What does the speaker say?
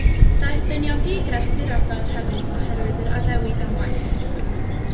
Daeth dynion di-grefft i'r ardal hefyd oherwydd yr addewid am waith.